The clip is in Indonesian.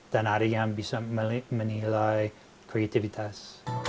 dan ada yang bisa menilai kreativitas